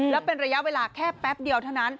แล้วเป็นระยะเวลาแค่แป๊บเดียวเท่านั้น